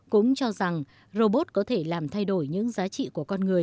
cũng cho rằng robot có thể làm thay đổi những giá trị của con người